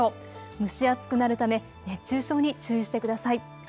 蒸し暑くなるため熱中症に注意してください。